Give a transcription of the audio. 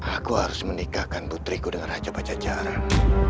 aku harus menikahkan putriku dengan raja pajajaran